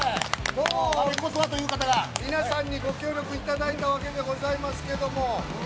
◆われこそはという方が皆さんにご協力いただいたわけでございますけれども。